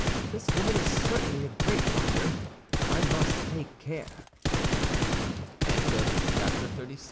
This woman is certainly a great liar. I must take care." Chapter XXXVII.